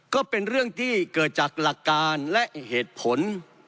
ก็เป็นเรื่องที่เกิดจากหลักการและเหตุผล